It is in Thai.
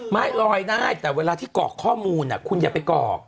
ไม่ลอยได้แต่เวลาที่กรอกข้อมูลคุณอย่าไปกรอก